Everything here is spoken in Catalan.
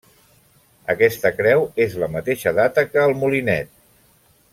Aquesta creu és la mateixa data que el Molinet.